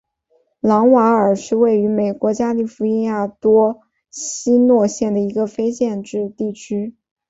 朗瓦尔是位于美国加利福尼亚州门多西诺县的一个非建制地区。